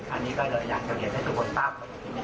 อันนี้ก็อยากจะเรียนให้ทุกคนทราบ